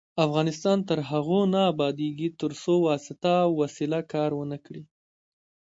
افغانستان تر هغو نه ابادیږي، ترڅو واسطه او وسیله کار ونه کړي.